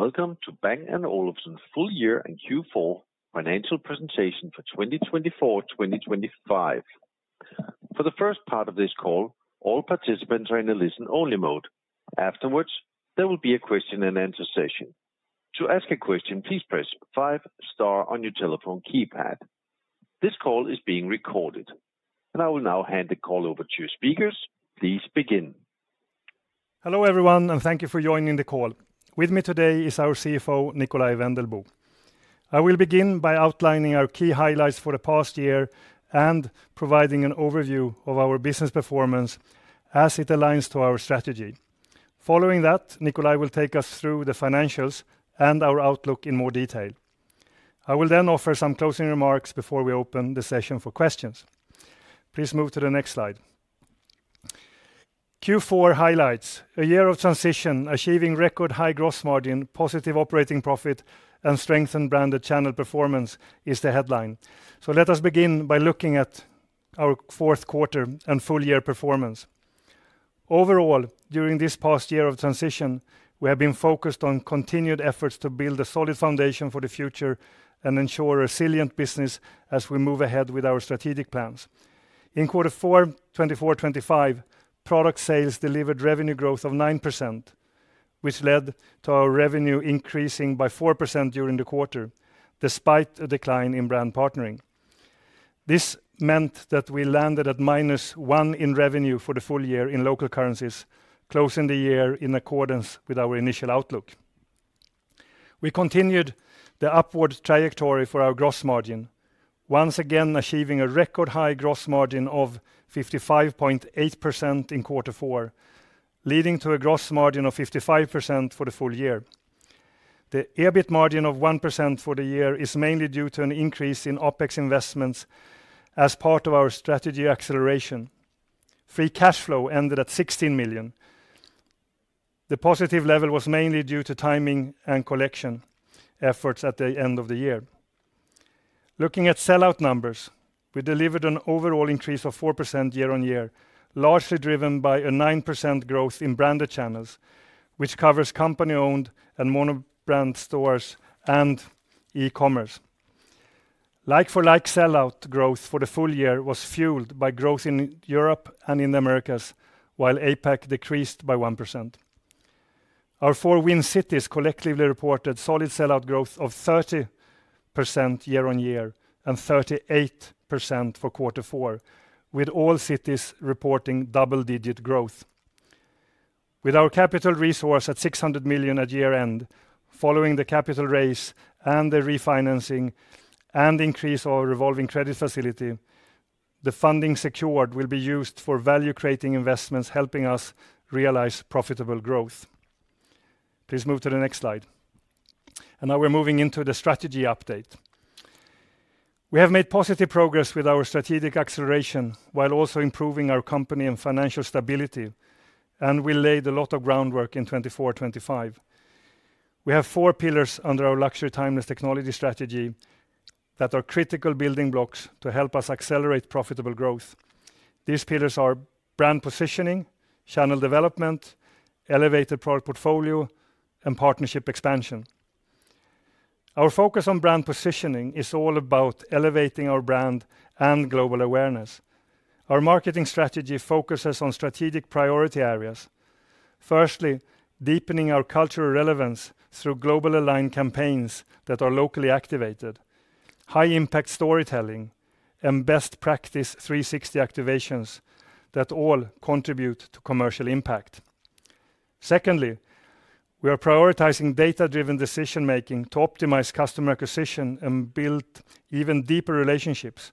Welcome to Bang & Olufsen's Full-Year and Q4 Financial Presentation for 2024-2025. For the first part of this call, all participants are in a listen-only mode. Afterwards, there will be a question-and-answer session. To ask a question, please press five star on your telephone keypad. This call is being recorded, and I will now hand the call over to your speakers. Please begin. Hello everyone, and thank you for joining the call. With me today is our CFO, Nikolaj Wendelboe. I will begin by outlining our key highlights for the past year and providing an overview of our business performance as it aligns to our strategy. Following that, Nikolaj will take us through the financials and our outlook in more detail. I will then offer some closing remarks before we open the session for questions. Please move to the next slide. Q4 highlights: A year of transition, Achieving Record-high Gross Margin, Positive Operating Profit, and Strengthened Branded Channel Performance is the headline. Let us begin by looking at our fourth quarter and full-year performance. Overall, during this past year of transition, we have been focused on continued efforts to build a solid foundation for the future and ensure resilient business as we move ahead with our strategic plans. In quarter four, 2024-2025, product sales delivered revenue growth of 9%, which led to our revenue increasing by 4% during the quarter, despite a decline in brand partnering. This meant that we landed at -1% in revenue for the full year in local currencies, closing the year in accordance with our initial outlook. We continued the upward trajectory for our gross margin, once again achieving a record-high gross margin of 55.8% in quarter four, leading to a gross margin of 55% for the full year. The EBIT margin of 1% for the year is mainly due to an increase in OPEX investments as part of our strategy acceleration. Free cash flow ended at $16 million. The positive level was mainly due to timing and collection efforts at the end of the year. Looking at sellout numbers, we delivered an overall increase of 4% year-on-year, largely driven by a 9% growth in branded channels, which covers company-owned and monobrand stores and e-commerce. Like-for-like sellout growth for the full year was fueled by growth in Europe and in the Americas, while APAC decreased by 1%. Our four Win Cities collectively reported solid sellout growth of 30% year-on-year and 38% for quarter four, with all cities reporting double-digit growth. With our capital resource at $600 million at year-end, following the capital raise and the refinancing and increase of our revolving credit facility, the funding secured will be used for value-creating investments, helping us realize profitable growth. Please move to the next slide. Now we're moving into the strategy update. We have made positive progress with our strategic acceleration while also improving our company and financial stability, and we laid a lot of groundwork in 2024-2025. We have four pillars under our luxury timeless technology strategy that are critical building blocks to help us accelerate profitable growth. These pillars are brand positioning, channel development, elevated product portfolio, and partnership expansion. Our focus on brand positioning is all about elevating our brand and global awareness. Our marketing strategy focuses on strategic priority areas. Firstly, deepening our cultural relevance through global aligned campaigns that are locally activated, high-impact storytelling, and best practice 360 activations that all contribute to commercial impact. Secondly, we are prioritizing data-driven decision-making to optimize customer acquisition and build even deeper relationships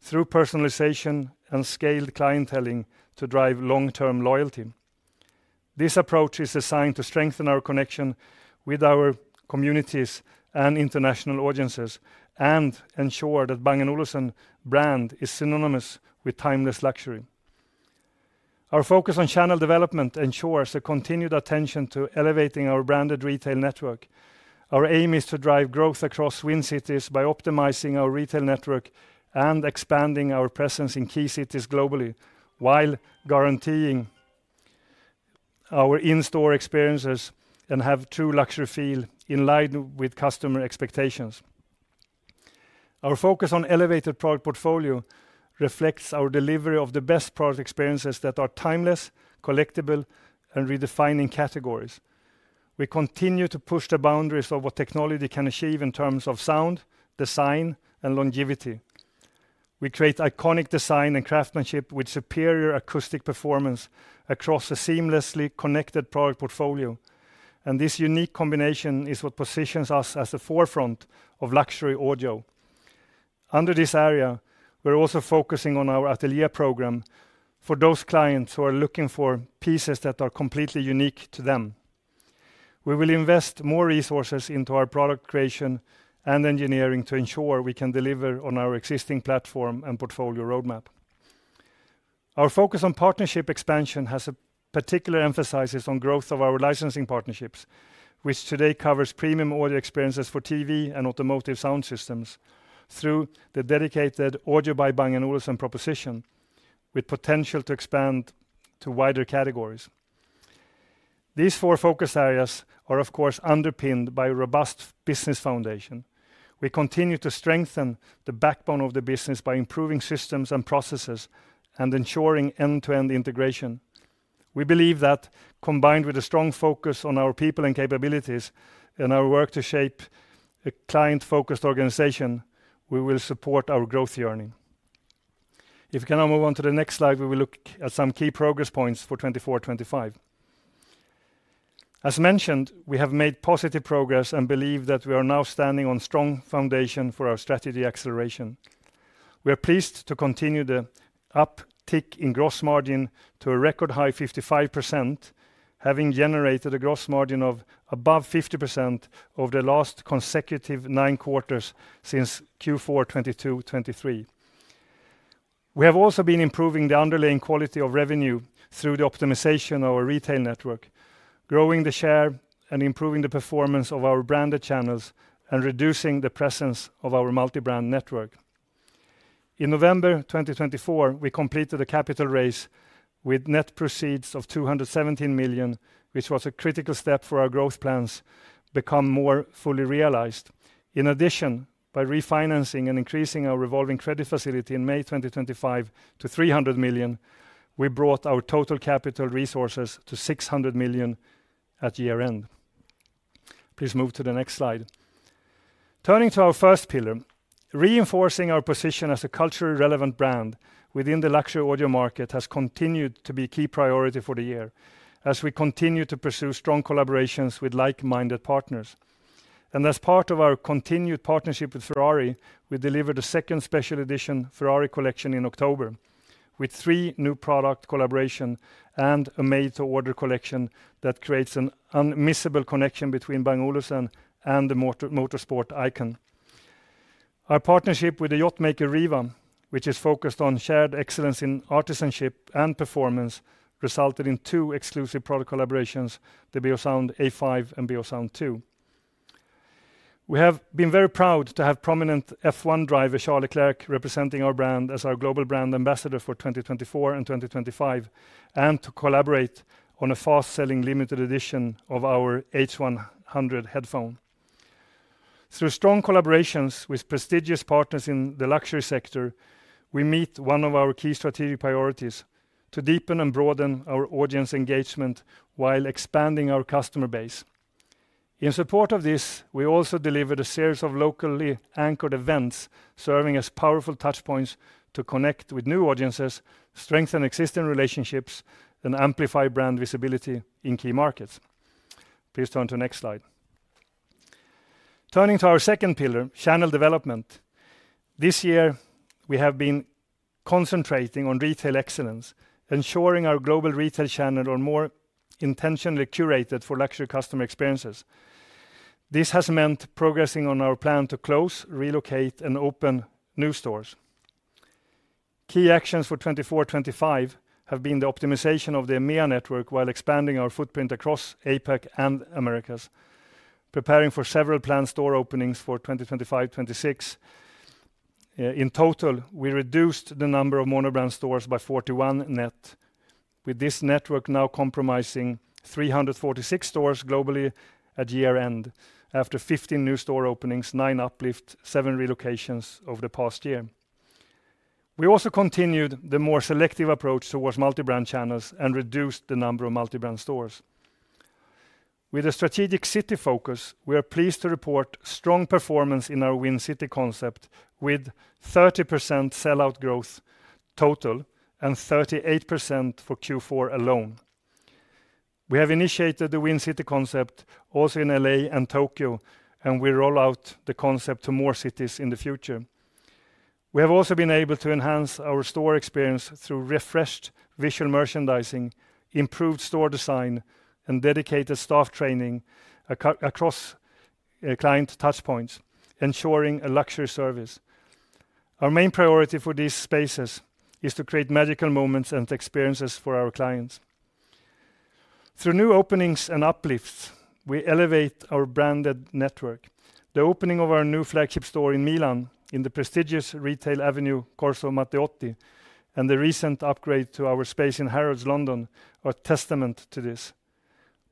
through personalization and scaled clienteling to drive long-term loyalty. This approach is designed to strengthen our connection with our communities and international audiences and ensure that the Bang & Olufsen brand is synonymous with timeless luxury. Our focus on channel development ensures a continued attention to elevating our branded retail network. Our aim is to drive growth across Win Cities by optimizing our retail network and expanding our presence in key cities globally while guaranteeing our in-store experiences have a true luxury feel in line with customer expectations. Our focus on elevated product portfolio reflects our delivery of the best product experiences that are timeless, collectible, and redefining categories. We continue to push the boundaries of what technology can achieve in terms of sound, design, and longevity. We create iconic design and craftsmanship with superior acoustic performance across a seamlessly connected product portfolio. This unique combination is what positions us at the forefront of luxury audio. Under this area, we're also focusing on our Atelier program for those clients who are looking for pieces that are completely unique to them. We will invest more resources into our product creation and engineering to ensure we can deliver on our existing platform and portfolio roadmap. Our focus on partnership expansion has a particular emphasis on growth of our licensing partnerships, which today covers premium audio experiences for TV and automotive sound systems through the dedicated Audio By Bang & Olufsen proposition, with potential to expand to wider categories. These four focus areas are, of course, underpinned by a robust business foundation. We continue to strengthen the backbone of the business by improving systems and processes and ensuring end-to-end integration. We believe that, combined with a strong focus on our people and capabilities and our work to shape a client-focused organization, we will support our growth journey. If we can now move on to the next slide, we will look at some key progress points for 2024-2025. As mentioned, we have made positive progress and believe that we are now standing on a strong foundation for our strategy acceleration. We are pleased to continue the uptick in gross margin to a record-high of 55%, having generated a gross margin of above 50% over the last consecutive nine quarters since Q4 2022-2023. We have also been improving the underlying quality of revenue through the optimization of our retail network, growing the share and improving the performance of our branded channels, and reducing the presence of our multi-brand network. In November 2024, we completed a capital raise with net proceeds of $217 million, which was a critical step for our growth plans to become more fully realized. In addition, by refinancing and increasing our revolving credit facility in May 2025 to $300 million, we brought our total capital resources to $600 million at year-end. Please move to the next slide. Turning to our first pillar, reinforcing our position as a culturally relevant brand within the luxury audio market has continued to be a key priority for the year as we continue to pursue strong collaborations with like-minded partners. As part of our continued partnership with Ferrari, we delivered a second special edition Ferrari collection in October with three new product collaborations and a made-to-order collection that creates an unmissable connection between Bang & Olufsen and the motorsport icon. Our partnership with the yacht maker, Riva, which is focused on shared excellence in artisanship and performance, resulted in two exclusive product collaborations, the Beosound A5 and Beosound 2. We have been very proud to have prominent F1 driver, Charles Leclerc, representing our brand as our global brand ambassador for 2024 and 2025, and to collaborate on a fast-selling limited edition of our H100 headphone. Through strong collaborations with prestigious partners in the luxury sector, we meet one of our key strategic priorities: To deepen and broaden our audience engagement while expanding our customer base. In support of this, we also delivered a series of locally anchored events serving as powerful touchpoints to connect with new audiences, strengthen existing relationships, and amplify brand visibility in key markets. Please turn to the next slide. Turning to our second pillar, channel development. This year, we have been concentrating on retail excellence, ensuring our global retail channels are more intentionally curated for luxury customer experiences. This has meant progressing on our plan to close, relocate, and open new stores. Key actions for 2024-2025 have been the optimization of the EMEA network while expanding our footprint across APAC and the Americas, preparing for several planned store openings for 2025-2026. In total, we reduced the number of monobrand stores by 41 net, with this network now comprising 346 stores globally at year-end after 15 new store openings, nine uplifts, and seven relocations over the past year. We also continued the more selective approach towards multi-brand channels and reduced the number of multi-brand stores. With a strategic city focus, we are pleased to report strong performance in our Win Cities concept with 30% sellout growth total and 38% for Q4 alone. We have initiated the Win Cities concept also in LA and Tokyo, and we roll out the concept to more cities in the future. We have also been able to enhance our store experience through refreshed visual merchandising, improved store design, and dedicated staff training across client touchpoints, ensuring a luxury service. Our main priority for these spaces is to create magical moments and experiences for our clients. Through new openings and uplifts, we elevate our branded network. The opening of our new flagship store in Milan in the prestigious retail avenue Corso Matteotti and the recent upgrade to our space in Harrods, London are a testament to this.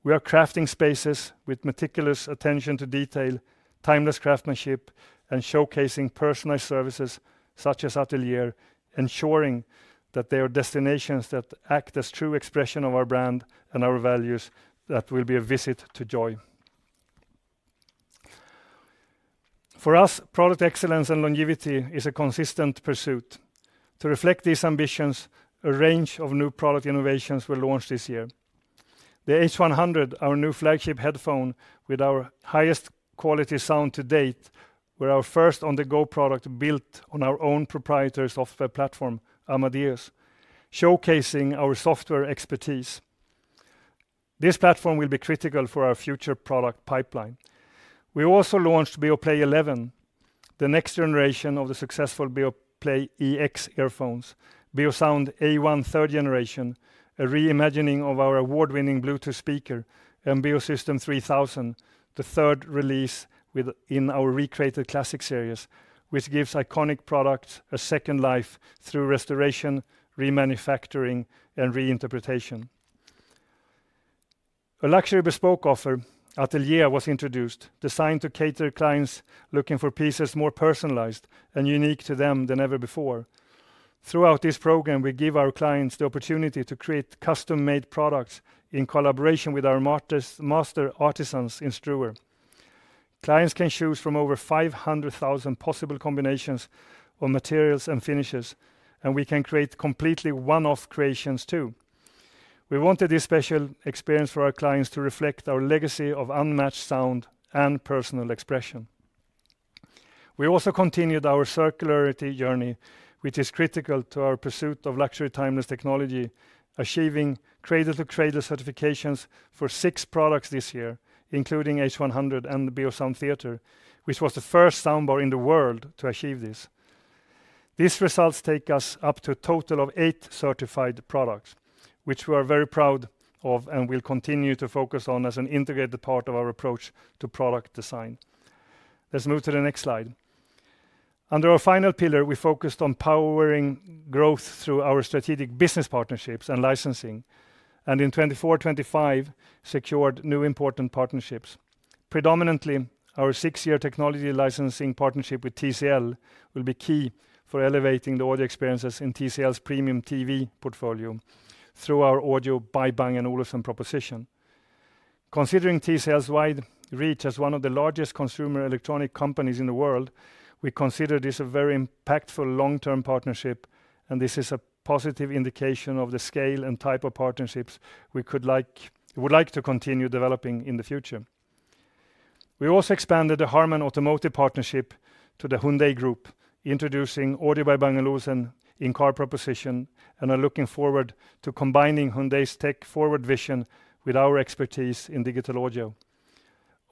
We are crafting spaces with meticulous attention to detail, timeless craftsmanship, and showcasing personalized services such as Atelier, ensuring that they are destinations that act as true expression of our brand and our values that will be a visit to joy. For us, product excellence and longevity is a consistent pursuit. To reflect these ambitions, a range of new product innovations were launched this year. The H100, our new flagship headphone with our highest quality sound to date, were our first on-the-go product built on our own proprietary software platform, Amadeus, showcasing our software expertise. This platform will be critical for our future product pipeline. We also launched Beoplay 11, the next generation of the successful Beoplay EX earphones; Beosound A1 third generation, a reimagining of our award-winning Bluetooth speaker; and Beosystem 3000, the third release in our Recreated Classic Series, which gives iconic products a second life through restoration, remanufacturing, and reinterpretation. A luxury bespoke offer, Atelier, was introduced, designed to cater clients looking for pieces more personalized and unique to them than ever before. Throughout this program, we give our clients the opportunity to create custom-made products in collaboration with our master artisans in Struer. Clients can choose from over 500,000 possible combinations of materials and finishes, and we can create completely one-off creations too. We wanted this special experience for our clients to reflect our legacy of unmatched sound and personal expression. We also continued our circularity journey, which is critical to our pursuit of luxury timeless technology, achieving cradle-to-cradle certifications for six products this year, including H100 and the Beosound Theatre, which was the first soundbar in the world to achieve this. These results take us up to a total of eight certified products, which we are very proud of and will continue to focus on as an integrated part of our approach to product design. Let's move to the next slide. Under our final pillar, we focused on powering growth through our strategic business partnerships and licensing, and in 2024-2025, secured new important partnerships. Predominantly, our six-year technology licensing partnership with TCL will be key for elevating the audio experiences in TCL's premium TV portfolio through our Audio By Bang & Olufsen proposition. Considering TCL's wide reach as one of the largest consumer electronic companies in the world, we consider this a very impactful long-term partnership, and this is a positive indication of the scale and type of partnerships we would like to continue developing in the future. We also expanded the HARMAN Automotive partnership to the Hyundai Group, introducing Audio By Bang & Olufsen in car proposition, and are looking forward to combining Hyundai's tech forward vision with our expertise in digital audio.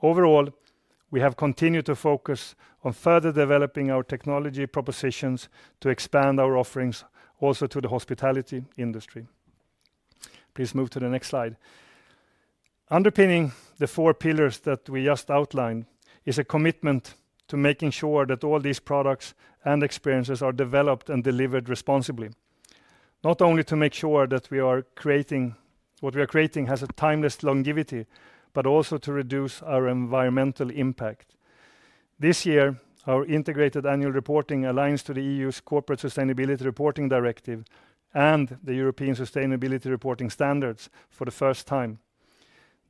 Overall, we have continued to focus on further developing our technology propositions to expand our offerings also to the hospitality industry. Please move to the next slide. Underpinning the four pillars that we just outlined is a commitment to making sure that all these products and experiences are developed and delivered responsibly, not only to make sure that what we are creating has a timeless longevity, but also to reduce our environmental impact. This year, our integrated annual reporting aligns to the EU's Corporate Sustainability Reporting Directive and the European Sustainability Reporting Standards for the first time.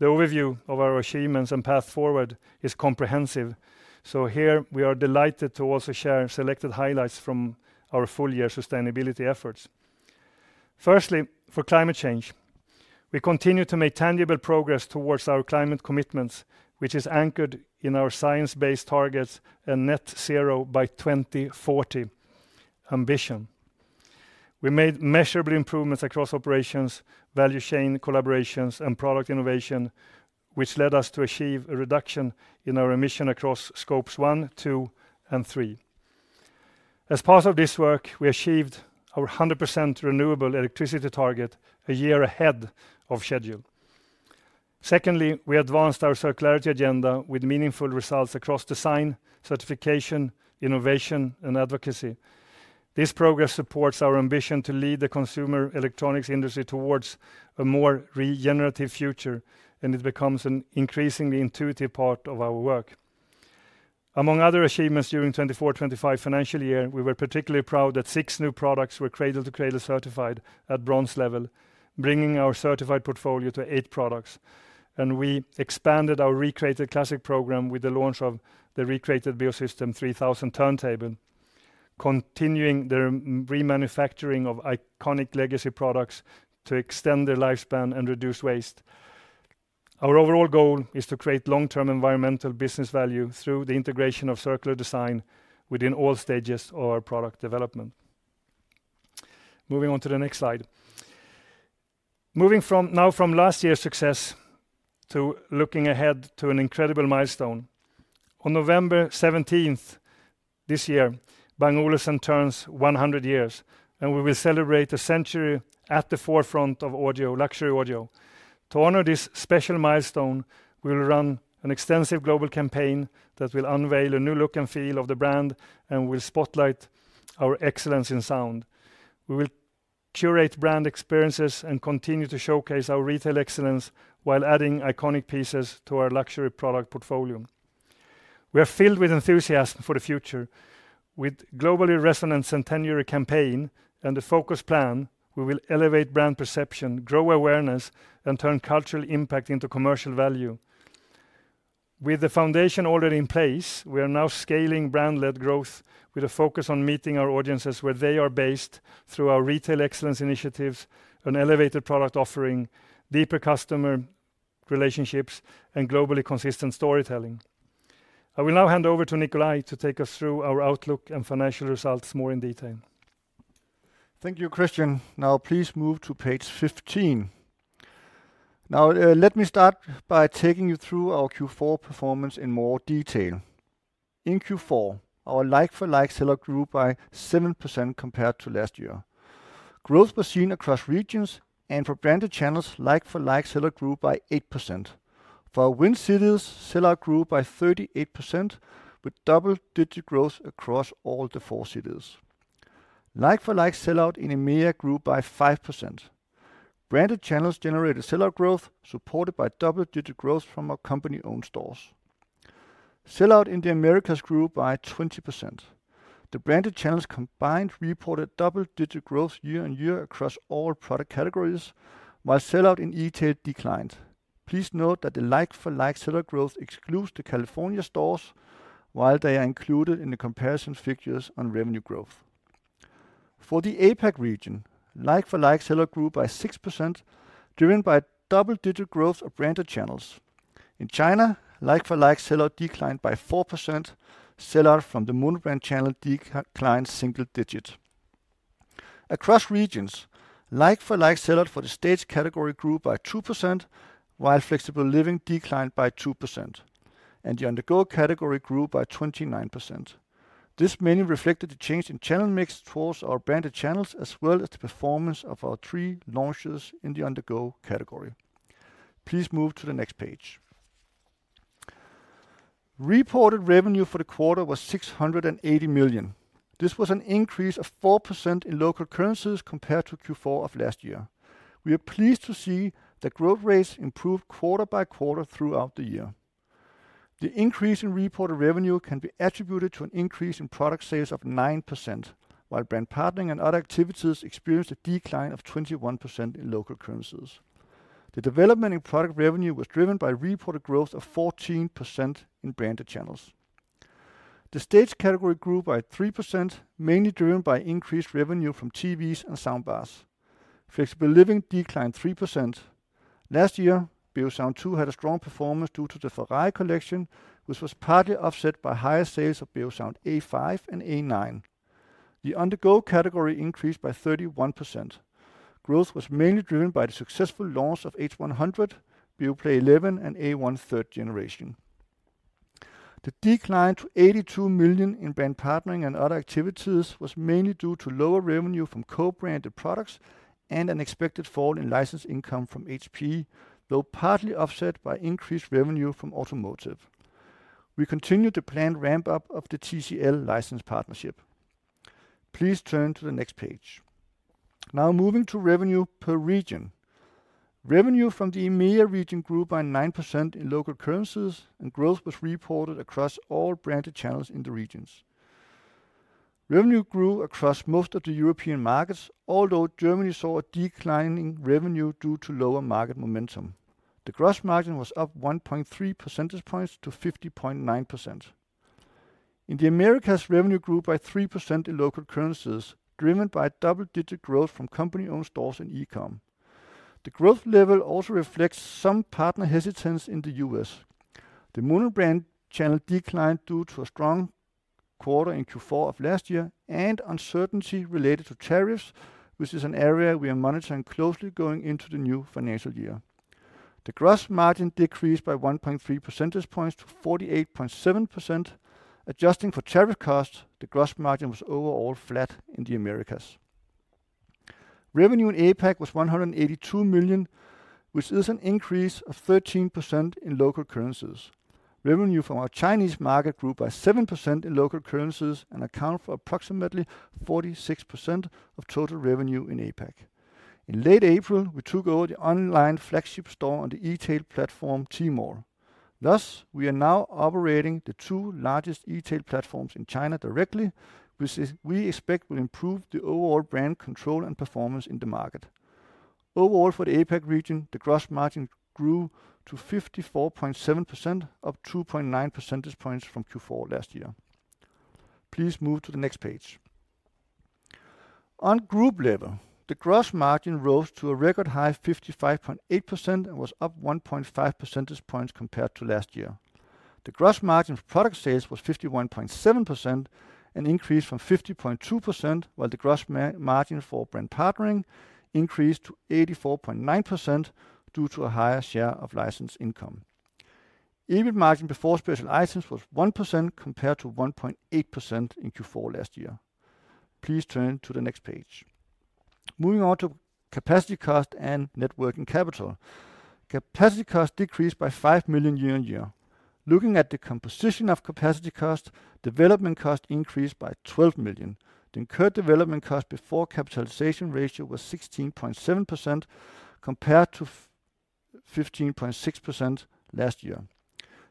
The overview of our achievements and path forward is comprehensive, so here we are delighted to also share selected highlights from our full-year sustainability efforts. Firstly, for climate change, we continue to make tangible progress towards our climate commitments, which is anchored in our science-based targets and net zero by 2040 ambition. We made measurable improvements across operations, value chain collaborations, and product innovation, which led us to achieve a reduction in our emission across scopes one, two, and three. As part of this work, we achieved our 100% renewable electricity target a year ahead of schedule. Secondly, we advanced our circularity agenda with meaningful results across design, certification, innovation, and advocacy. This progress supports our ambition to lead the consumer electronics industry towards a more regenerative future, and it becomes an increasingly intuitive part of our work. Among other achievements during the 2024-2025 financial year, we were particularly proud that six new products were cradle-to-cradle certified at bronze level, bringing our certified portfolio to eight products, and we expanded our Recreated Classic program with the launch of the recreated Beosystem 3000 turntable, continuing the remanufacturing of iconic legacy products to extend their lifespan and reduce waste. Our overall goal is to create long-term environmental business value through the integration of circular design within all stages of our product development. Moving on to the next slide. Moving now from last year's success to looking ahead to an incredible milestone. On November 17th this year, Bang & Olufsen turns 100 years, and we will celebrate a century at the forefront of luxury audio. To honor this special milestone, we will run an extensive global campaign that will unveil a new look and feel of the brand and will spotlight our excellence in sound. We will curate brand experiences and continue to showcase our retail excellence while adding iconic pieces to our luxury product portfolio. We are filled with enthusiasm for the future. With globally resonant centenary campaign and a focus plan, we will elevate brand perception, grow awareness, and turn cultural impact into commercial value. With the foundation already in place, we are now scaling brand-led growth with a focus on meeting our audiences where they are based through our retail excellence initiatives, an elevated product offering, deeper customer relationships, and globally consistent storytelling. I will now hand over to Nikolaj to take us through our outlook and financial results more in detail. Thank you, Kristian. Now, please move to page 15. Now, let me start by taking you through our Q4 performance in more detail. In Q4, our like-for-like sellout grew by 7% compared to last year. Growth was seen across regions, and for branded channels, like-for-like sellout grew by 8%. For Win Cities, sellout grew by 38% with double-digit growth across all the four cities. Like-for-like sellout in EMEA grew by 5%. Branded channels generated sellout growth supported by double-digit growth from our company-owned stores. Sellout in the Americas grew by 20%. The branded channels combined reported double-digit growth year-on-year across all product categories, while sellout in [eTail] declined. Please note that the like-for-like sellout growth excludes the California stores, while they are included in the comparison figures on revenue growth. For the APAC region, like-for-like sellout grew by 6%, driven by double-digit growth of branded channels. In China, like-for-like sellout declined by 4%. Sellout from the monobrand channel declined single digit. Across regions, like-for-like sellout for the stage category grew by 2%, while flexible living declined by 2%, and the undergo category grew by 29%. This mainly reflected the change in channel mix towards our branded channels as well as the performance of our three launches in the undergo category. Please move to the next page. Reported revenue for the quarter was $680 million. This was an increase of 4% in local currencies compared to Q4 of last year. We are pleased to see that growth rates improved quarter by quarter throughout the year. The increase in reported revenue can be attributed to an increase in product sales of 9%, while brand partnering and other activities experienced a decline of 21% in local currencies. The development in product revenue was driven by reported growth of 14% in branded channels. The stage category grew by 3%, mainly driven by increased revenue from TVs and soundbars. Flexible living declined 3%. Last year, Beosound 2 had a strong performance due to the Ferrari collection, which was partly offset by higher sales of Beosound A5 and A9. The undergo category increased by 31%. Growth was mainly driven by the successful launch of H100, BeoPlay 11, and A1 third generation. The decline to $82 million in brand partnering and other activities was mainly due to lower revenue from co-branded products and an expected fall in license income from HP, though partly offset by increased revenue from automotive. We continued the planned ramp-up of the TCL license partnership. Please turn to the next page. Now, moving to revenue per region. Revenue from the EMEA region grew by 9% in local currencies, and growth was reported across all branded channels in the regions. Revenue grew across most of the European markets, although Germany saw a declining revenue due to lower market momentum. The gross margin was up 1.3 percentage points to 50.9%. In the Americas, revenue grew by 3% in local currencies, driven by double-digit growth from company-owned stores and e-comm. The growth level also reflects some partner hesitance in the U.S. The monobrand channel declined due to a strong quarter in Q4 of last year and uncertainty related to tariffs, which is an area we are monitoring closely going into the new financial year. The gross margin decreased by 1.3 percentage points to 48.7%. Adjusting for tariff costs, the gross margin was overall flat in the Americas. Revenue in APAC was $182 million, which is an increase of 13% in local currencies. Revenue from our Chinese market grew by 7% in local currencies and accounts for approximately 46% of total revenue in APAC. In late April, we took over the online flagship store on the [eTail] platform Tmall. Thus, we are now operating the two largest [eTail] platforms in China directly, which we expect will improve the overall brand control and performance in the market. Overall, for the APAC region, the gross margin grew to 54.7%, up 2.9 percentage points from Q4 last year. Please move to the next page. On group level, the gross margin rose to a record high of 55.8% and was up 1.5 percentage points compared to last year. The gross margin for product sales was 51.7%, an increase from 50.2%, while the gross margin for brand partnering increased to 84.9% due to a higher share of license income. EBIT margin before special items was 1% compared to 1.8% in Q4 last year. Please turn to the next page. Moving on to capacity cost and net working capital. Capacity cost decreased by $5 million year-on-year. Looking at the composition of capacity cost, development cost increased by $12 million. The incurred development cost before capitalization ratio was 16.7% compared to 15.6% last year.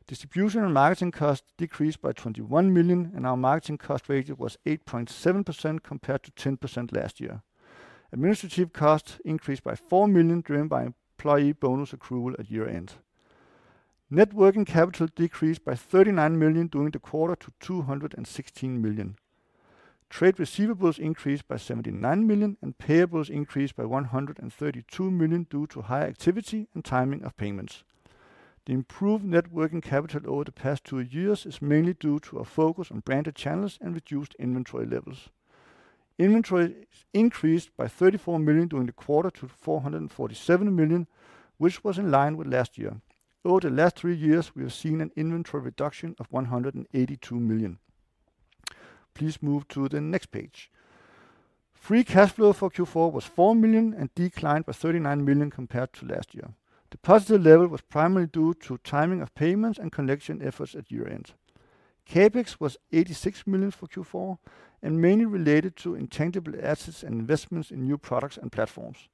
Distribution and marketing cost decreased by $21 million, and our marketing cost ratio was 8.7% compared to 10% last year. Administrative cost increased by $4 million, driven by employee bonus accrual at year-end. Net working capital decreased by $39 million during the quarter to $216 million. Trade receivables increased by $79 million, and payables increased by $132 million due to high activity and timing of payments. The improved net working capital over the past two years is mainly due to a focus on branded channels and reduced inventory levels. Inventory increased by $34 million during the quarter to $447 million, which was in line with last year. Over the last three years, we have seen an inventory reduction of $182 million. Please move to the next page. Free cash flow for Q4 was $4 million and declined by $39 million compared to last year. The positive level was primarily due to timing of payments and collection efforts at year-end. CapEx was $86 million for Q4 and mainly related to intangible assets and investments in new products and platforms.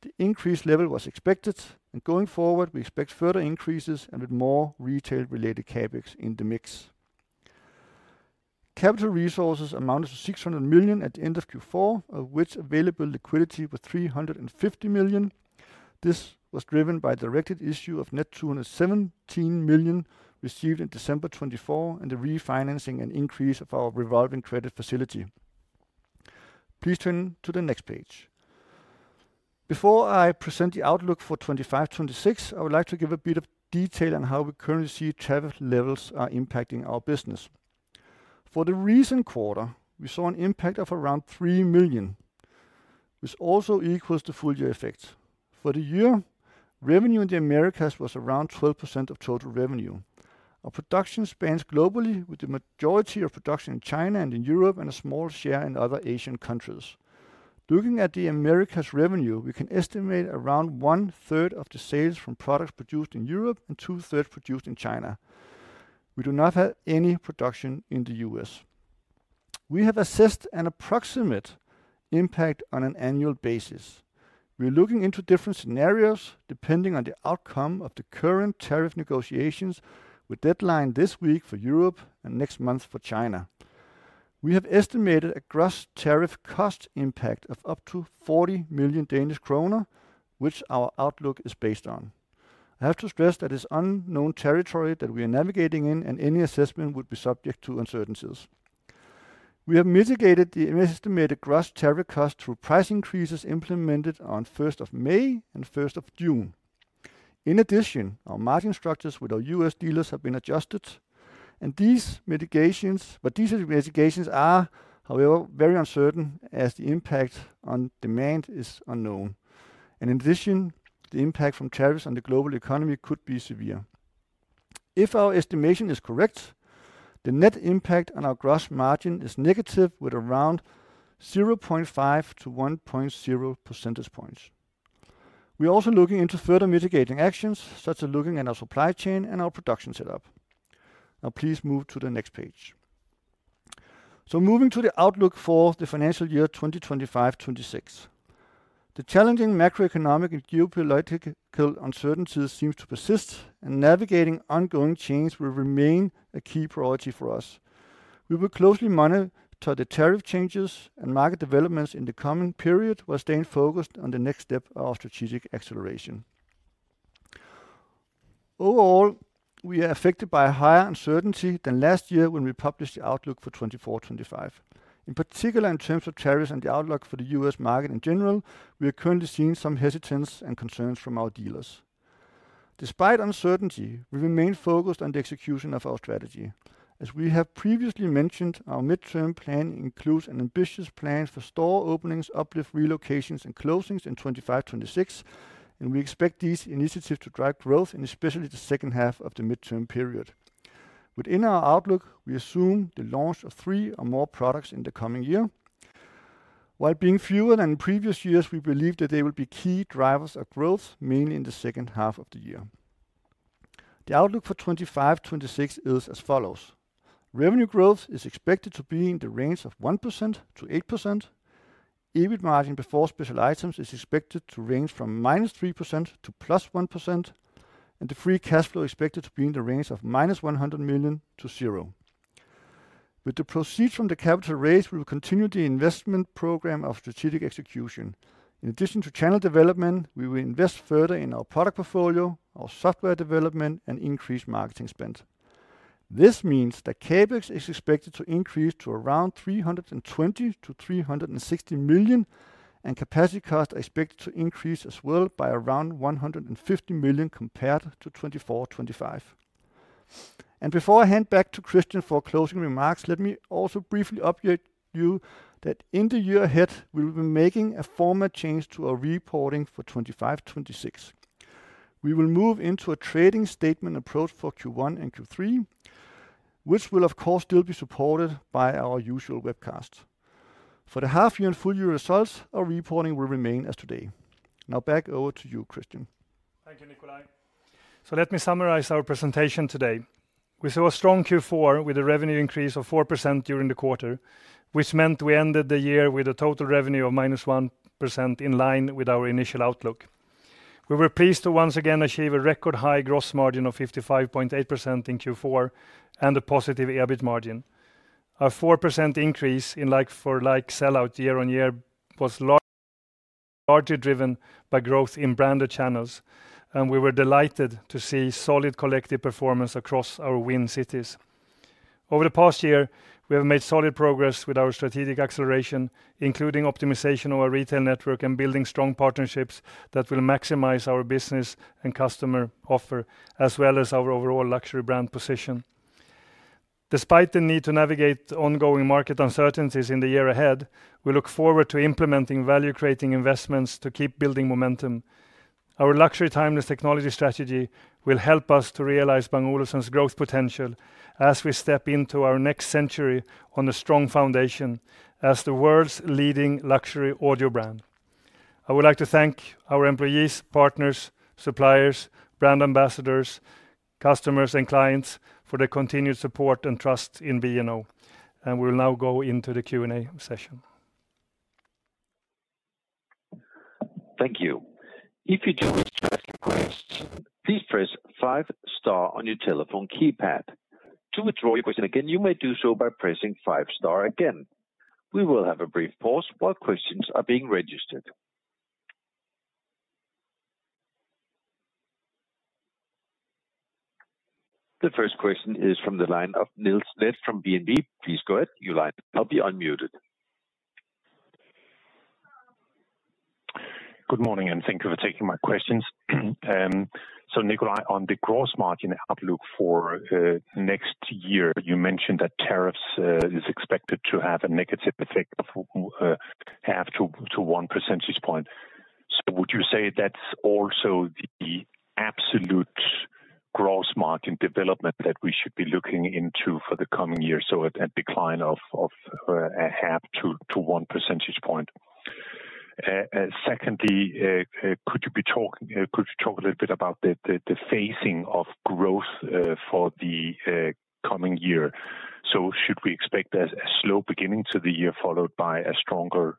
The increased level was expected, and going forward, we expect further increases and with more retail-related CapEx in the mix. Capital resources amounted to $600 million at the end of Q4, of which available liquidity was $350 million. This was driven by the directed issue of net $217 million received in December 2024 and the refinancing and increase of our revolving credit facility. Please turn to the next page. Before I present the outlook for 2025-2026, I would like to give a bit of detail on how we currently see tariff levels are impacting our business. For the recent quarter, we saw an impact of around $3 million, which also equals the full-year effect. For the year, revenue in the Americas was around 12% of total revenue. Our production spans globally, with the majority of production in China and in Europe and a small share in other Asian countries. Looking at the Americas revenue, we can estimate around one-third of the sales from products produced in Europe and two-thirds produced in China. We do not have any production in the U.S. We have assessed an approximate impact on an annual basis. We are looking into different scenarios depending on the outcome of the current tariff negotiations, with deadline this week for Europe and next month for China. We have estimated a gross tariff cost impact of up to 40 million Danish kroner, which our outlook is based on. I have to stress that it is unknown territory that we are navigating in, and any assessment would be subject to uncertainties. We have mitigated the estimated gross tariff cost through price increases implemented on 1st of May and 1st of June. In addition, our margin structures with our U.S. dealers have been adjusted, but these mitigations are however very uncertain as the impact on demand is unknown. In addition, the impact from tariffs on the global economy could be severe. If our estimation is correct, the net impact on our gross margin is negative with around 0.5-1.0 percentage points. We are also looking into further mitigating actions, such as looking at our supply chain and our production setup. Now, please move to the next page. Moving to the outlook for the financial year 2025-2026. The challenging macroeconomic and geopolitical uncertainties seem to persist, and navigating ongoing change will remain a key priority for us. We will closely monitor the tariff changes and market developments in the coming period while staying focused on the next step of our strategic acceleration. Overall, we are affected by higher uncertainty than last year when we published the outlook for 2024-2025. In particular, in terms of tariffs and the outlook for the U.S. market in general, we are currently seeing some hesitance and concerns from our dealers. Despite uncertainty, we remain focused on the execution of our strategy. As we have previously mentioned, our midterm plan includes an ambitious plan for store openings, uplift, relocations, and closings in 2025-2026, and we expect these initiatives to drive growth in especially the second half of the midterm period. Within our outlook, we assume the launch of three or more products in the coming year. While being fewer than in previous years, we believe that they will be key drivers of growth, mainly in the second half of the year. The outlook for 2025-2026 is as follows: Revenue growth is expected to be in the range of 1%-8%. EBIT margin before special items is expected to range from -3% to 1%, and the free cash flow is expected to be in the range of -$100 million to $0. With the proceeds from the capital raise, we will continue the investment program of strategic execution. In addition to channel development, we will invest further in our product portfolio, our software development, and increase marketing spend. This means that CapEx is expected to increase to around $320 million-$360 million, and capacity costs are expected to increase as well by around $150 million compared to 2024-2025. Before I hand back to Kristian for closing remarks, let me also briefly update you that in the year ahead, we will be making a formal change to our reporting for 2025-2026. We will move into a trading statement approach for Q1 and Q3, which will of course still be supported by our usual webcast. For the half-year and full-year results, our reporting will remain as today. Now, back over to you, Kristian. Thank you, Nikolaj. Let me summarize our presentation today. We saw a strong Q4 with a revenue increase of 4% during the quarter, which meant we ended the year with a total revenue of -1% in line with our initial outlook. We were pleased to once again achieve a record-high gross margin of 55.8% in Q4 and a positive EBIT margin. Our 4% increase in like-for-like sellout year-on-year was largely driven by growth in branded channels, and we were delighted to see solid collective performance across our Win Cities. Over the past year, we have made solid progress with our strategic acceleration, including optimization of our retail network and building strong partnerships that will maximize our business and customer offer, as well as our overall luxury brand position. Despite the need to navigate ongoing market uncertainties in the year ahead, we look forward to implementing value-creating investments to keep building momentum. Our luxury timeless technology strategy will help us to realize Bang & Olufsen's growth potential as we step into our next century on a strong foundation as the world's leading luxury audio brand. I would like to thank our employees, partners, suppliers, brand ambassadors, customers, and clients for the continued support and trust in B&O. We will now go into the Q&A session. Thank you. If you do wish to ask a question, please press five star on your telephone keypad. To withdraw your question again, you may do so by pressing five star again. We will have a brief pause while questions are being registered. The first question is from the line of Niels Leth from DNB. Please go ahead. Your line will now be unmuted. Good morning, and thank you for taking my questions. Nikolaj, on the gross margin outlook for next year, you mentioned that tariffs are expected to have a negative effect of half to 1 percentage point. Would you say that's also the absolute gross margin development that we should be looking into for the coming year? A decline of half to 1 percentage point. Secondly, could you talk a little bit about the phasing of growth for the coming year? Should we expect a slow beginning to the year followed by a stronger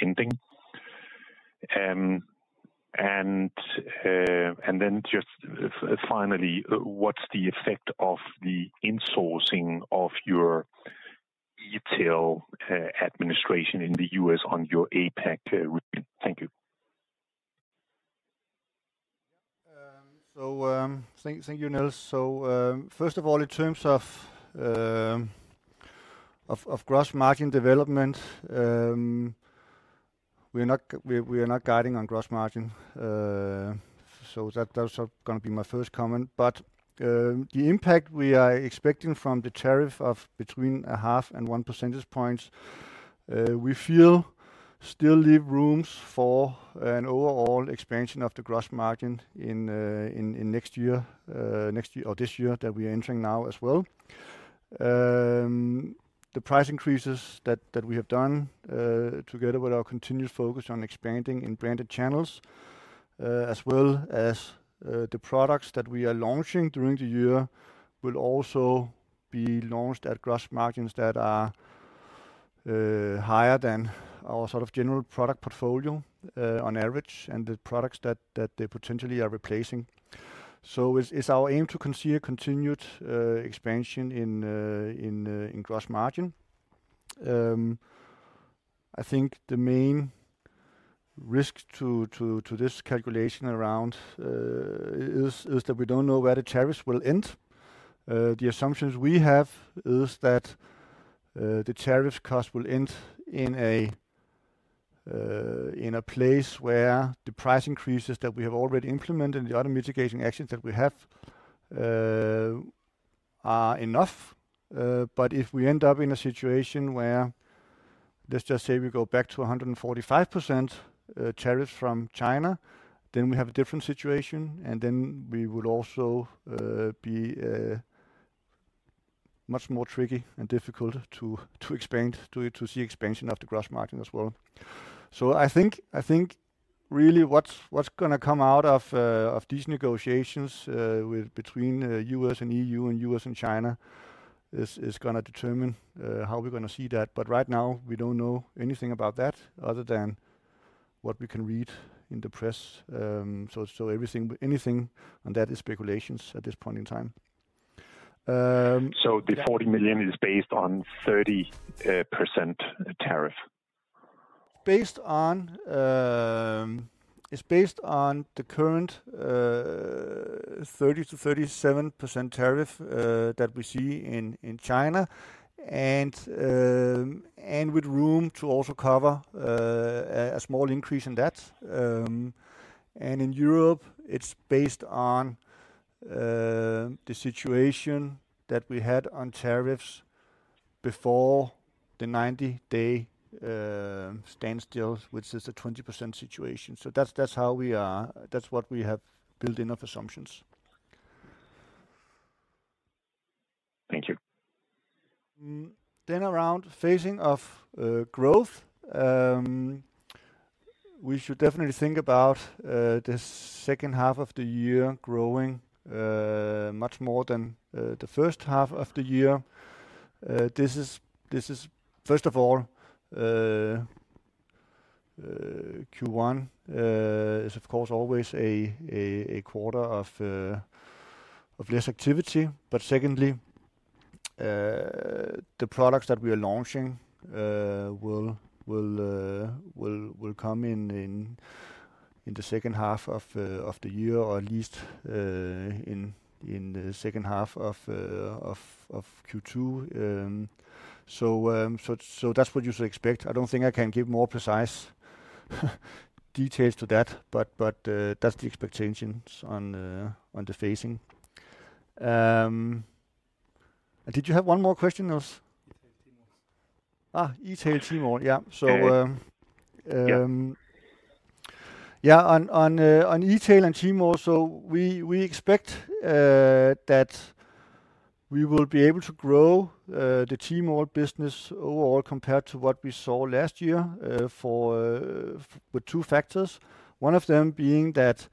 ending? Finally, what's the effect of the insourcing of your [eTail] administration in the U.S. on your APAC? Thank you. Thank you, Niels. First of all, in terms of gross margin development, we are not guiding on gross margin. That's going to be my first comment. The impact we are expecting from the tariff of between half and 1 percentage point, we feel still leaves room for an overall expansion of the gross margin in next year or this year that we are entering now as well. The price increases that we have done together with our continued focus on expanding in branded channels, as well as the products that we are launching during the year, will also be launched at gross margins that are higher than our general product portfolio on average and the products that they potentially are replacing. It's our aim to see continued expansion in gross margin. I think the main risk to this calculation is that we don't know where the tariffs will end. The assumptions we have is that the tariffs cost will end in a place where the price increases that we have already implemented and the other mitigating actions that we have are enough. If we end up in a situation where, let's just say, we go back to 145% tariffs from China, then we have a different situation, and then it would also be much more tricky and difficult to see expansion of the gross margin as well. I think really what is going to come out of these negotiations between the U.S. and EU, and U.S. and China is going to determine how we are going to see that. Right now, we do not know anything about that other than what we can read in the press. Anything on that is speculation at this point in time. The $40 million is based on 30% tariff? It is based on the current 30%-37% tariff that we see in China and with room to also cover a small increase in that. In Europe, it's based on the situation that we had on tariffs before the 90-day standstill, which is a 20% situation. That's what we have built in of assumptions. Around phasing of growth, we should definitely think about the second half of the year growing much more than the first half of the year. This is, first of all, Q1 is of course always a quarter of less activity. Secondly, the products that we are launching will come in the second half of the year or at least in the second half of Q2. That's what you should expect. I don't think I can give more precise details to that, but that's the expectations on the phasing. Did you have one more question, Niels? Ah, [eTail] and Tmall, yeah. On [eTail] and Tmall, we expect that we will be able to grow the Tmall business overall compared to what we saw last year with two factors. One of them being that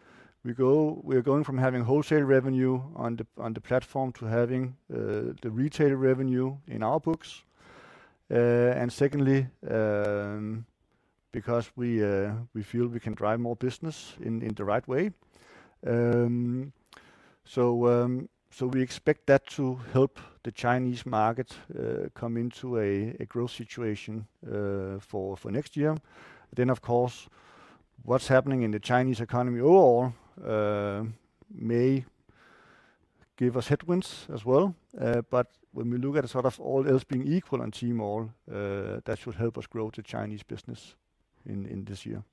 we are going from having wholesale revenue on the platform to having the retail revenue in our books. Secondly, because we feel we can drive more business in the right way. We expect that to help the Chinese market come into a growth situation for next year. Of course, what is happening in the Chinese economy overall may give us headwinds as well. When we look at all else being equal on Tmall, that should help us grow the Chinese business in this year.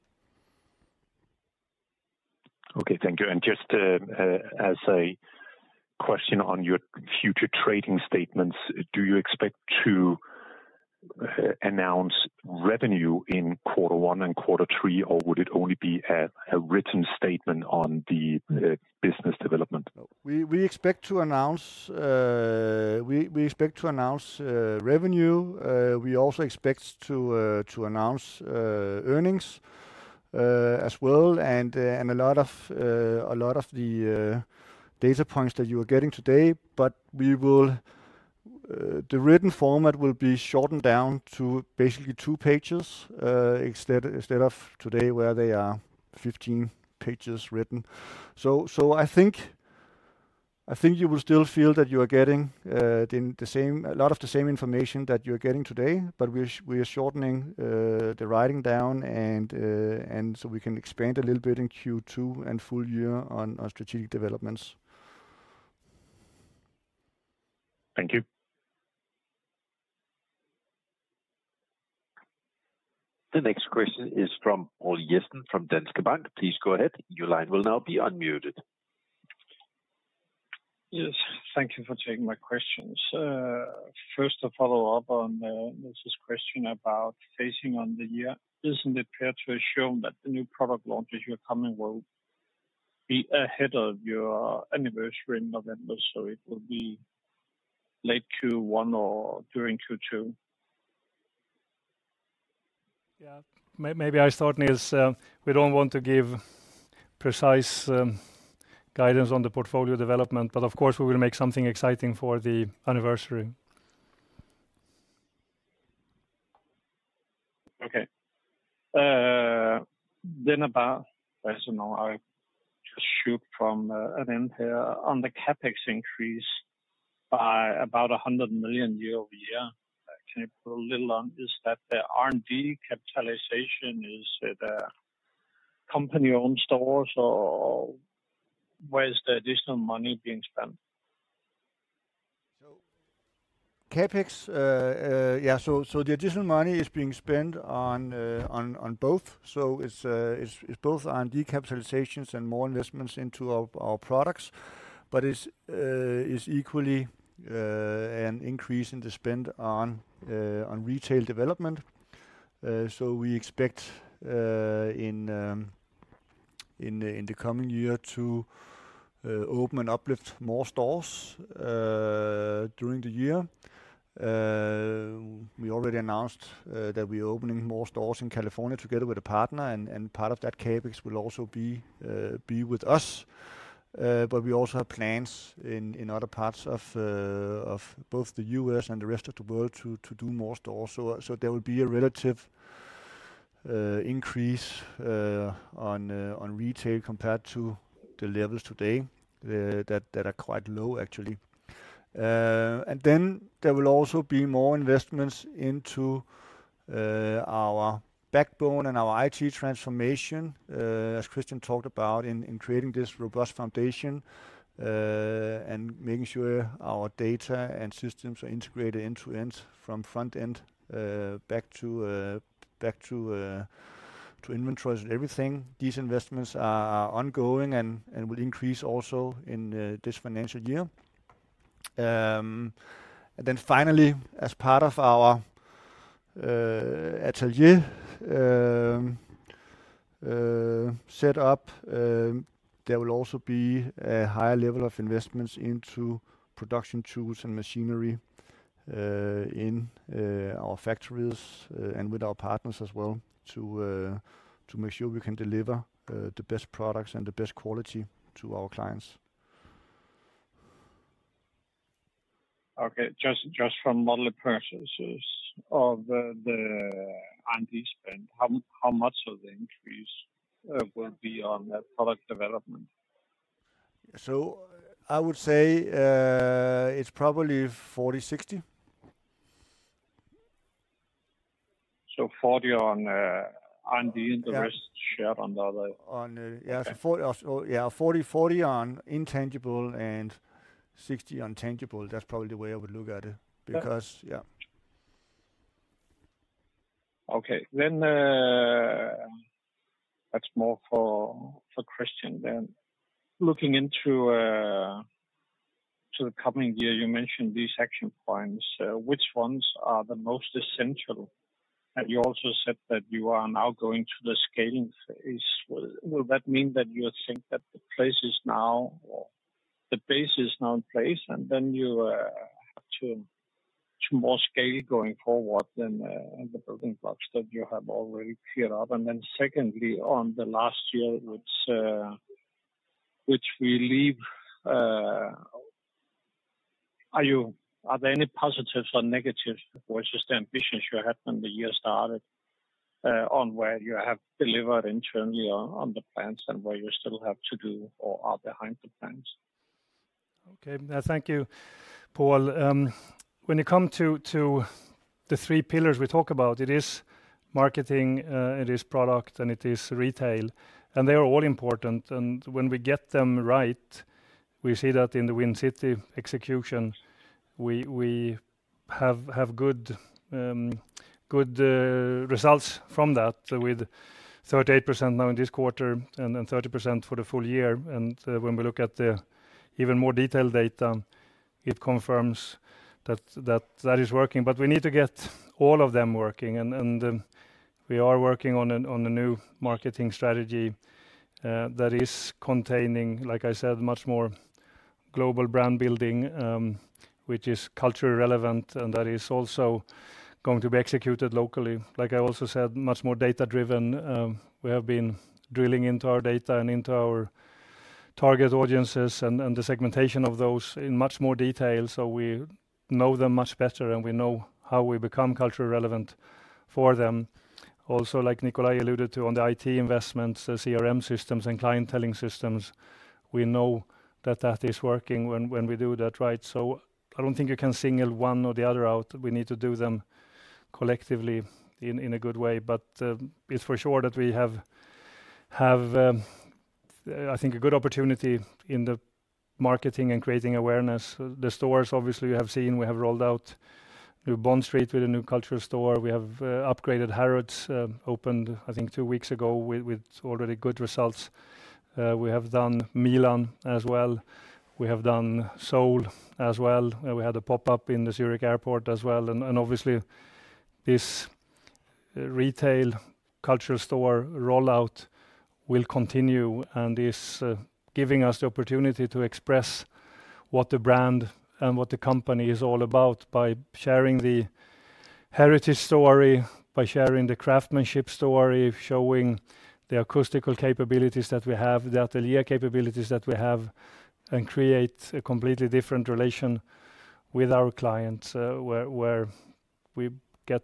Thank you. Just as a question on your future trading statements, do you expect to announce revenue in quarter one and quarter three, or would it only be a written statement on the business development? We expect to announce revenue. We also expect to announce earnings as well and a lot of the data points that you are getting today. The written format will be shortened down to basically two pages instead of today where they are 15 pages written. I think you will still feel that you are getting a lot of the same information that you are getting today, but we are shortening the writing down so we can expand a little bit in Q2 and full year on strategic developments. Thank you. The next question is from Poul Jessen from Danske Bank. Please go ahead. Your line will now be unmuted. Yes. Thank you for taking my questions. First, a follow-up on Niels' question about phasing on the year. Isn't it fair to assume that the new product launches you are coming will be ahead of your anniversary in November? It will be late Q1 or during Q2. Yeah. Maybe I thought, Niels, we do not want to give precise guidance on the portfolio development, but of course, we will make something exciting for the anniversary. Okay. Then about shoot from an end here. On the CapEx increase by about $100 million year-over-year, can you put a little on is that the R&D capitalization, is the company-owned stores? Where is the additional money being spent? CapEx, yeah, so the additional money is being spent on both. It is both R&D capitalizations and more investments into our products, but it is equally an increase in the spend on retail development. We expect in the coming year to open and uplift more stores during the year. We already announced that we are opening more stores in California together with a partner, and part of that CapEx will also be with us. We also have plans in other parts of both the US and the rest of the world to do more stores. There will be a relative increase on retail compared to the levels today that are quite low, actually. There will also be more investments into our backbone and our IT transformation, as Kristian talked about, in creating this robust foundation and making sure our data and systems are integrated end-to-end from front-end back to inventories and everything. These investments are ongoing and will increase also in this financial year. Finally, as part of our Atelier setup, there will also be a higher level of investments into production tools and machinery in our factories and with our partners as well to make sure we can deliver the best products and the best quality to our clients. Okay. Just from [modeling impressions] of the R&D spend, how much of the increase will be on product development? I would say it's probably 40/60. Forty on R&D and the rest shared on the other. Yeah, 40% on intangible and 60% on tangible. That's probably the way I would look at it because, yeah. Okay. Then that's more for Kristian then. Looking into the coming year, you mentioned these action points. Which ones are the most essential? You also said that you are now going to the scaling phase. Will that mean that you think that the place is now or the base is now in place and then you have to more scale going forward than the building blocks that you have already cleared up? Then secondly, on the last year, which we leave, are there any positives or negatives versus the ambitions you had when the year started on where you have delivered internally on the plans and where you still have to do or are behind the plans? Okay. Thank you, Poul. When it comes to the three pillars we talk about, it is marketing, it is product, and it is retail. They are all important. When we get them right, we see that in the Win Cities execution, we have good results from that with 38% now in this quarter and 30% for the full year. When we look at the even more detailed data, it confirms that that is working. We need to get all of them working. We are working on a new marketing strategy that is containing, like I said, much more global brand-building, which is culture relevant, and that is also going to be executed locally. Like I also said, much more data-driven. We have been drilling into our data and into our target audiences and the segmentation of those in much more detail so we know them much better and we know how we become culture-relevant for them. Also, like Nikolaj alluded to on the IT investments, CRM systems, and clientelling systems, we know that that is working when we do that right. I do not think you can single one or the other out. We need to do them collectively in a good way. It is for sure that we have, I think, a good opportunity in the marketing and creating awareness. The stores, obviously, you have seen we have rolled out New Bond Street with a new culture store. We have upgraded, Harrods opened, I think, two weeks ago with already good results. We have done Milan as well. We have done Seoul as well. We had a pop-up in the Zurich airport as well. Obviously, this retail culture store rollout will continue and is giving us the opportunity to express what the brand and what the company is all about by sharing the heritage story, by sharing the craftsmanship story, showing the acoustical capabilities that we have, the Atelier capabilities that we have, and create a completely different relation with our clients where we get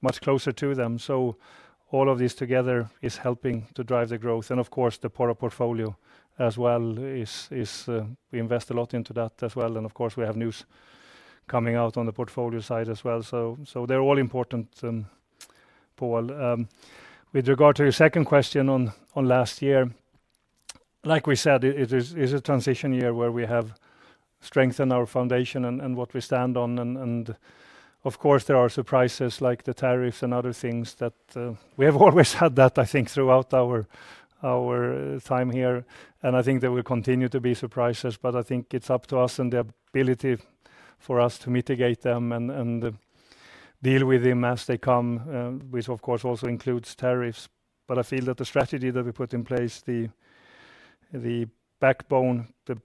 much closer to them. All of this together is helping to drive the growth. Of course, the product portfolio as well. We invest a lot into that as well. Of course, we have news coming out on the portfolio side as well. They're all important, Poul. With regard to your second question on last year, like we said, it is a transition year where we have strengthened our foundation and what we stand on. Of course, there are surprises like the tariffs and other things that we have always had, I think, throughout our time here. I think there will continue to be surprises, but I think it's up to us and the ability for us to mitigate them and deal with them as they come, which of course also includes tariffs. I feel that the strategy that we put in place, the backbone, the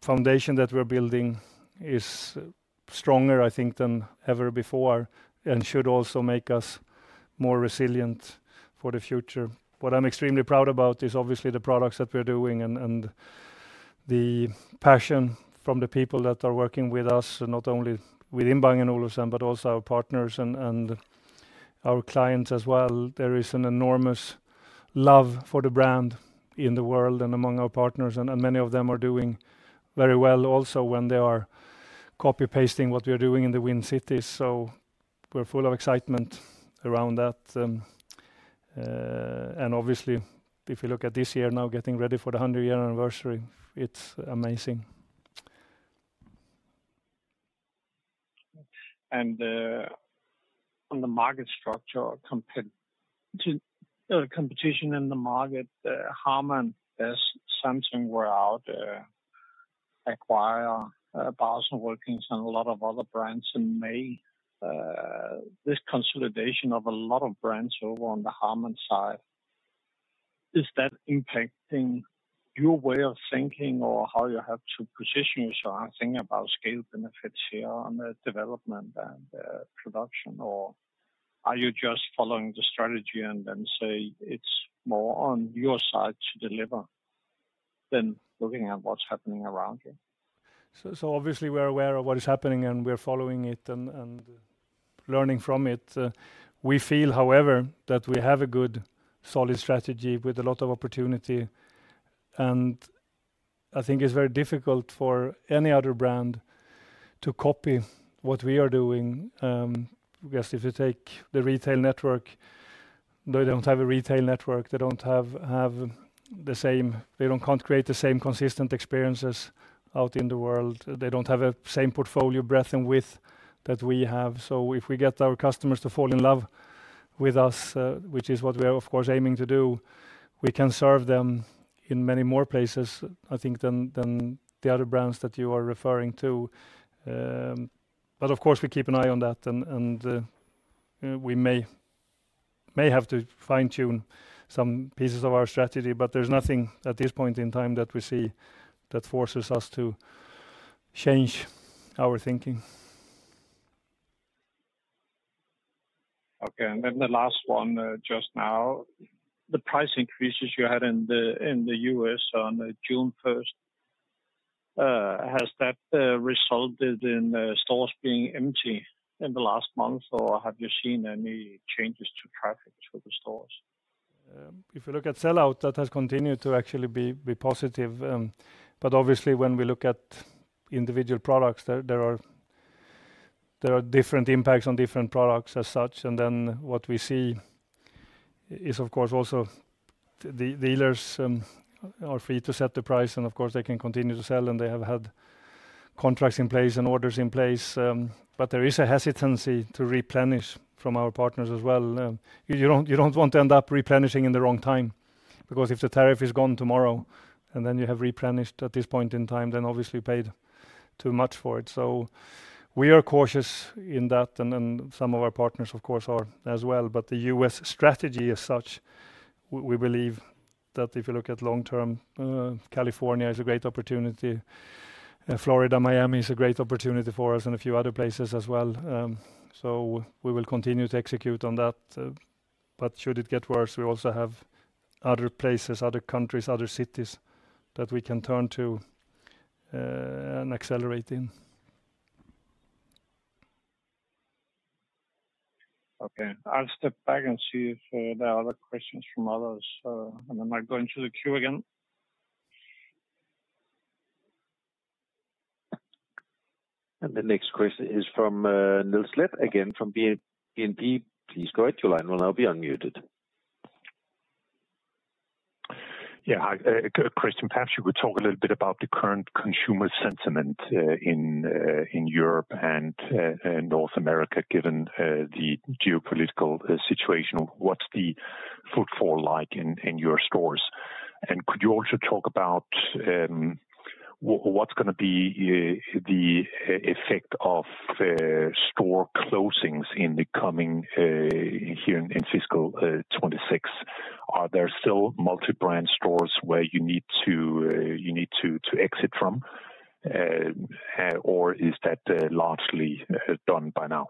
foundation that we're building is stronger, I think, than ever before and should also make us more resilient for the future. What I'm extremely proud about is obviously the products that we're doing and the passion from the people that are working with us, not only within Bang & Olufsen, but also our partners and our clients as well. There is an enormous love for the brand in the world and among our partners, and many of them are doing very well also when they are copy-pasting what we are doing in the Win Cities. We're full of excitement around that. Obviously, if you look at this year now, getting ready for the 100-year anniversary, it's amazing. On the market structure, competition in the market, HARMAN and Samsung were out, acquired Bowers & Wilkins, and a lot of other brands in May? This consolidation of a lot of brands over on the HARMANarman side, is that impacting your way of thinking or how you have to position yourself and thinking about scale benefits here on the development and production, or are you just following the strategy and then say it's more on your side to deliver than looking at what's happening around you? Obviously, we're aware of what is happening and we're following it and learning from it. We feel, however, that we have a good solid strategy with a lot of opportunity. I think it's very difficult for any other brand to copy what we are doing. If you take the retail network, they don't have a retail network. They do not have the same, they don't create the same consistent experiences out in the world. They do not have the same portfolio breadth and width that we have. If we get our customers to fall in love with us, which is what we are, of course, aiming to do, we can serve them in many more places, I think, than the other brands that you are referring to. Of course, we keep an eye on that, and we may have to fine-tune some pieces of our strategy, but there is nothing at this point in time that we see that forces us to change our thinking. Okay. The last one just now, the price increases you had in the U.S. on June 1st, has that resulted in stores being empty in the last month, or have you seen any changes to traffic for the stores? If you look at sellout, that has continued to actually be positive. Obviously, when we look at individual products, there are different impacts on different products as such. What we see is, of course, also the dealers are free to set the price, and of course, they can continue to sell, and they have had contracts in place and orders in place. There is a hesitancy to replenish from our partners as well. You do not want to end up replenishing in the wrong time because if the tariff is gone tomorrow and then you have replenished at this point in time, obviously you paid too much for it. We are cautious in that, and some of our partners, of course, are as well. The U.S. strategy as such, we believe that if you look at long-term, California is a great opportunity. Florida, Miami is a great opportunity for us and a few other places as well. We will continue to execute on that. Should it get worse, we also have other places, other countries, other cities that we can turn to and accelerate in. Okay. I'll step back and see if there are other questions from others. Am I going through the queue again? The next question is from Niels Leth again from DNB. Please go ahead. Your line will now be unmuted. Yeah. Kristian, perhaps you could talk a little bit about the current consumer sentiment in Europe and North America given the geopolitical situation. What's the footfall like in your stores? Could you also talk about what's going to be the effect of store closings in the coming year in fiscal 2026? Are there still multi-brand stores where you need to exit from, or is that largely done by now?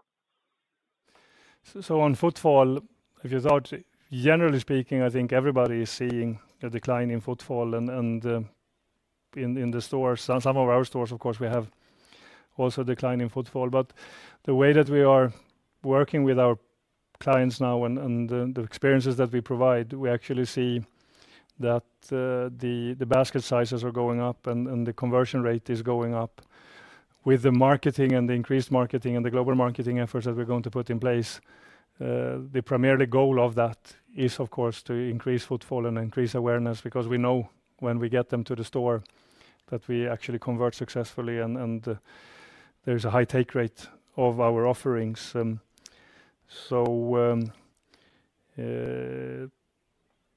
On footfall, generally speaking, I think everybody is seeing a decline in footfall in the stores. Some of our stores, of course, we have also a decline in footfall. The way that we are working with our clients now and the experiences that we provide, we actually see that the basket sizes are going up and the conversion rate is going up. With the marketing and the increased marketing and the global marketing efforts that we are going to put in place, the primary goal of that is, of course, to increase footfall and increase awareness because we know when we get them to the store that we actually convert successfully and there is a high take rate of our offerings.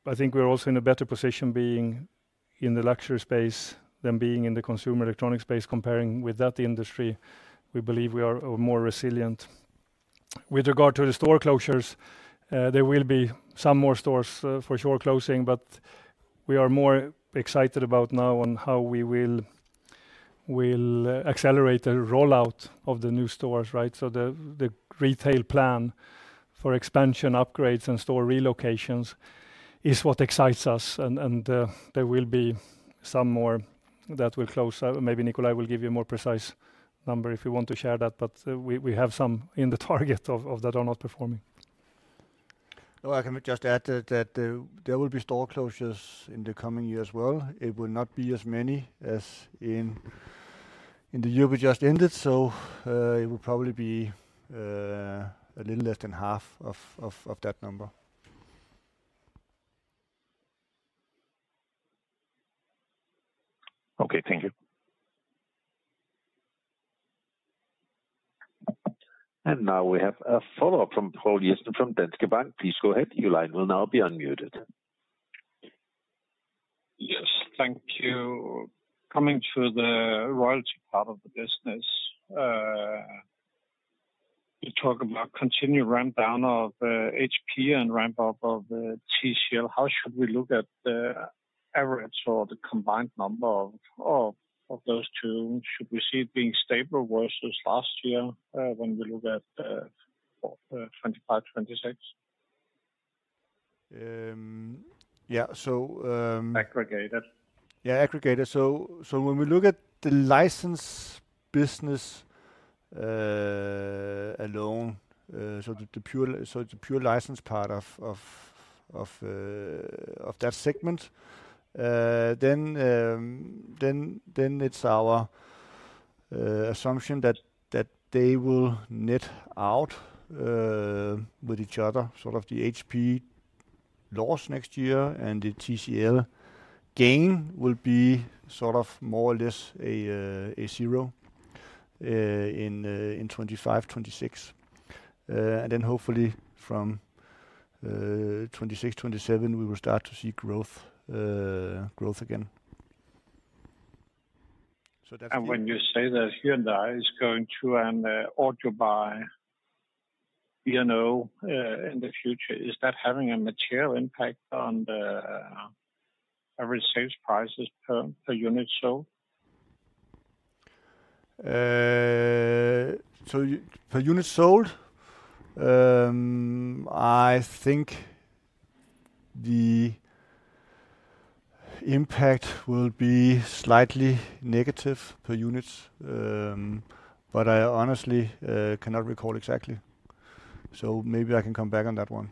I think we're also in a better position being in the luxury space than being in the consumer electronics space. Comparing with that industry, we believe we are more resilient. With regard to the store closures, there will be some more stores for sure closing, but we are more excited about now on how we will accelerate a rollout of the new stores. The retail plan for expansion, upgrades, and store relocations is what excites us, and there will be some more that will close. Maybe Nikolaj will give you a more precise number if you want to share that, but we have some in the target of that are not performing. I can just add that there will be store closures in the coming year as well. It will not be as many as in the year we just ended, so it will probably be a little less than half of that number. Okay. Thank you. Now we have a follow-up from Poul Jessen from Danske Bank. Please go ahead. Your line will now be unmuted. Yes. Thank you. Coming to the royalty part of the business, you talk about continued rundown of HP and ramp-up of TCL. How should we look at the average or the combined number of those two? Should we see it being stable versus last year when we look at 2025-2026 aggregated? Yeah, aggregated. When we look at the license business alone, the pure license part of that segment, then it's our assumption that they will net out with each other. The HP loss next year and the TCL gain will be more or less a zero in 2025-2026. Hopefully from 2026, 2027, we will start to see growth again. When you say that Hyundai is going to an Audio By B&O in the future, is that having a material impact on average sales prices per unit sold? Per unit sold, I think the impact will be slightly negative per unit, but I honestly cannot recall exactly. Maybe I can come back on that one.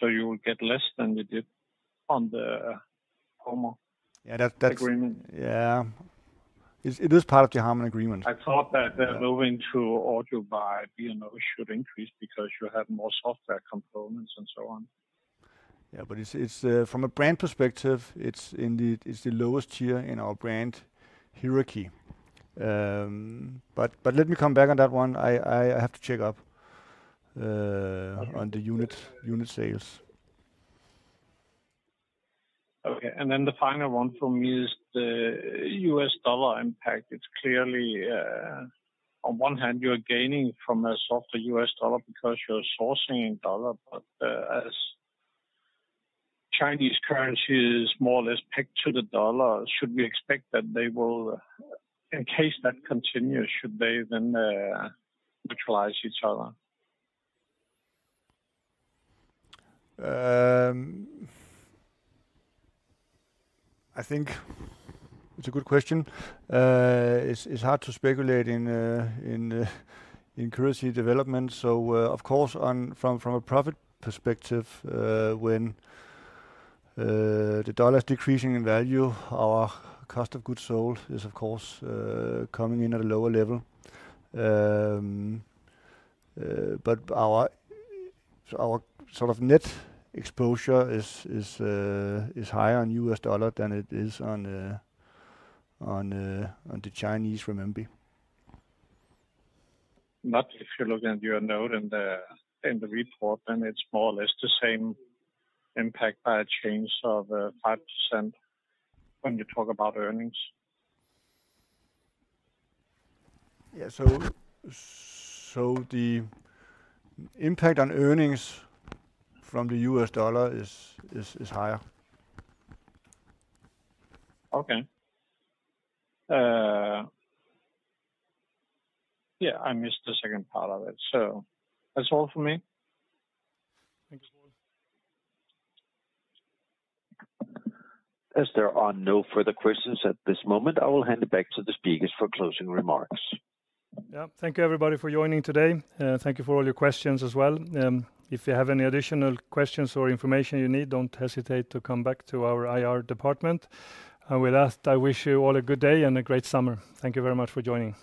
You will get less than you did on the HARMAN agreement? Yeah. It is part of the HARMAN agreement. I thought that moving to Audio By B&O should increase because you have more software components and so on. Yeah. From a brand perspective, it is the lowest tier in our brand hierarchy. Let me come back on that one. I have to check up on the unit sales. Okay. The final one for me is the US dollar impact. It's clearly, on one hand, you're gaining from a softer U.S. dollar because you're sourcing in dollar, but as Chinese currency is more or less pegged to the dollar, should we expect that they will, in case that continues, should they then neutralize each other? I think it's a good question. It's hard to speculate in currency development. Of course, from a profit perspective, when the dollar is decreasing in value, our cost of goods sold is, of course, coming in at a lower level. Our net exposure is higher on U.S. dollar than it is on the Chinese renminbi. If you look at your note in the report, then it's more or less the same impact by a change of 5% when you talk about earnings. Yeah. The impact on earnings from the U.S. dollar is higher. Okay. Yeah. I missed the second part of it. That's all for me. Thank you, Poul. As there are no further questions at this moment, I will hand it back to the speakers for closing remarks. Yeah. Thank you, everybody, for joining today. Thank you for all your questions as well. If you have any additional questions or information you need, do not hesitate to come back to our IR department. With that, I wish you all a good day and a great summer. Thank you very much for joining.